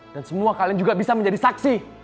dan semua kalian juga bisa menjadi saksi